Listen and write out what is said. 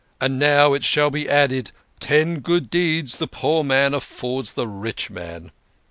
' And now it shall be added, ' Ten good deeds the poor man affords the rich man.'